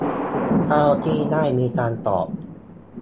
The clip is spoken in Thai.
เท่าที่ได้มีการตอบ